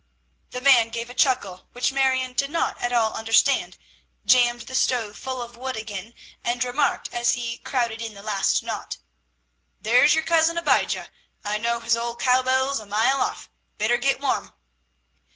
The man gave a chuckle, which Marion did not at all understand, jammed the stove full of wood again, and remarked as he crowded in the last knot, "There's your Cousin Abijah; I know his old cowbells a mile off! Better get warm!"